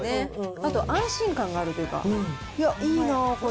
あと安心感があるというか、いいなあ、これ。